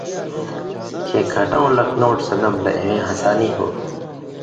کھیں کھٹؤں لَک نوٹ سَن٘دَم لہ اِوَیں ہسانی ہو۔